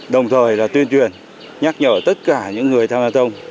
đồng thời là tuyên truyền nhắc nhở tất cả những người tham gia thông